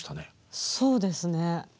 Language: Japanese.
そうですね。